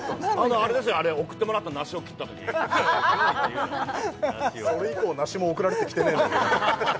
あれですよあれ送ってもらった梨を切ったときそれ以降梨も送られてきてねえ